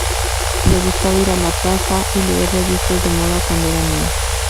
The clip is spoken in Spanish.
Le gustaba ir a la plaza y leer revistas de moda cuando era niña.